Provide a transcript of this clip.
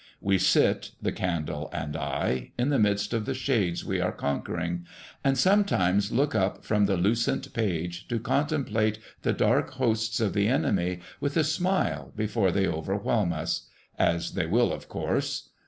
We sit, the candle and I, in the midst of the shades we are conquering, and sometimes look up from the lucent page to contemplate the dark hosts of the enemy with a smile before they overwhelm us; as they will, of course.